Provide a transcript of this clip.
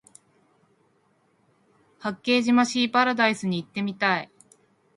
八景島シーパラダイスに行ってみたい